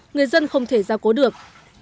người dân không thể ra cố được